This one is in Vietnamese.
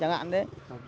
chẳng hạn thế